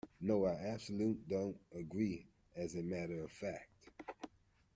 No, I absolutely don't agree, as a matter of fact